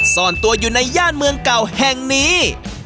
ซ่อนตัวอยู่ในย่านเมืองเก่าแห่งนี้